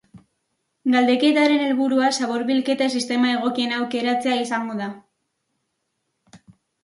Galdeketaren helburua zabor-bilketa sistema egokiena aukeratzea izango da.